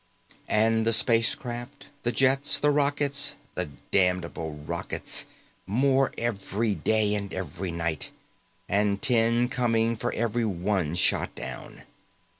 And the spacecraft, the jets, the rockets, the damnable rockets, more every day and every night, and ten coming for every one shot down.